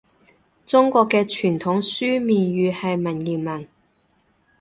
中國嘅傳統書面語係文言文